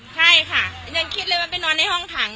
ใช่ค่ะยังคิดเลยว่าไปนอนในห้องขัง